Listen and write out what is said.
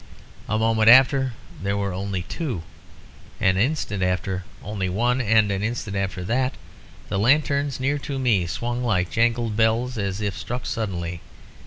A moment after there were only two; an instant after only one; and an instant after that the lanterns near to me swung like jangled bells, as if struck suddenly.